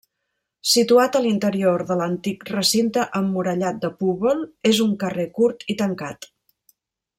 Situat a l'interior de l'antic recinte emmurallat de Púbol, és un carrer curt i tancat.